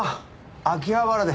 秋葉原で。